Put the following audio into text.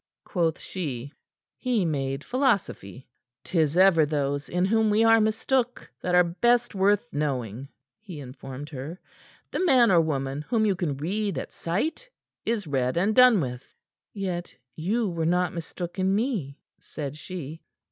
quoth she. He made philosophy. "'Tis ever those in whom we are mistook that are best worth knowing," he informed her. "The man or woman whom you can read at sight, is read and done with." "Yet you were not mistook in me," said she.